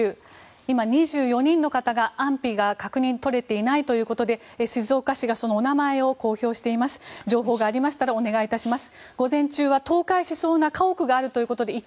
今、２４人の方が安否の確認が取れていないということで静岡県がそのお名前を公表しています。